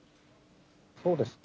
そうですね。